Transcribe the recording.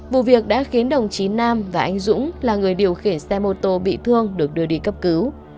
vụ việc đã khiến đồng chí nam và anh dũng là người điều khiển xe mô tô bị thương được đưa đi cấp cứu